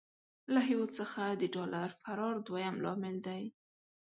له هېواد څخه د ډالر فرار دويم لامل دی.